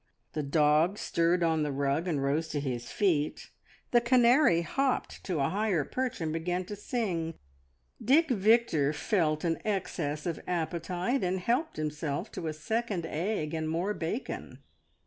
The dog stirred on the rug and rose to his feet; the canary hopped to a higher perch and began to sing; Dick Victor felt an access of appetite, and helped himself to a second egg and more bacon.